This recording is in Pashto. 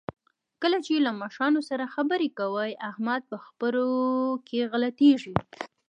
کله چې له مشرانو سره خبرې کوي، احمد په خبرو کې غلطېږي.